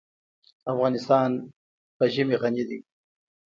افغانستان په ژمی غني دی.